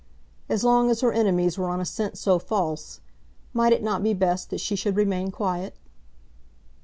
As long as her enemies were on a scent so false, might it not be best that she should remain quiet?